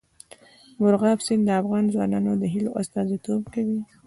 مورغاب سیند د افغان ځوانانو د هیلو استازیتوب کوي.